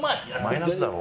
マイナスだろ。